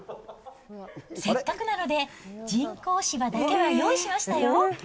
せっかくなので、人工芝だけは用意しましたよ。